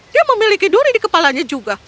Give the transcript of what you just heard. dia memiliki duri di kepalanya juga